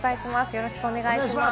よろしくお願いします。